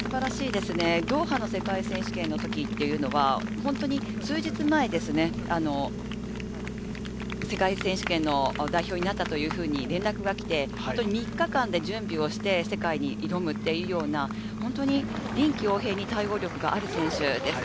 ドーハの世界選手権の時は数日前ですね、世界選手権の代表になったというふうに連絡が来て、３日間で準備して、世界に挑むというような臨機応変に対応ができる選手です。